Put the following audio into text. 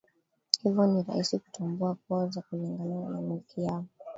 hivyo ni rahisi kutambua koo zao kulingana na miiko yao